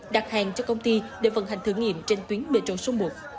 đặt hàng cho công ty để vận hành thử nghiệm trên tuyến metro số một